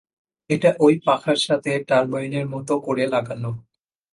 এটা ওই পাখার সাথে টারবাইনের মতো করে লাগানো।